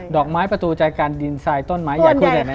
ดอกไม้ประตูใจการดินไซด์ต้นไม้อยากคุยกันในนั้น